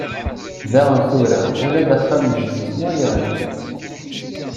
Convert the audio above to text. Dayen tura, ula d axxam n jeddi-tneɣ yeɣli.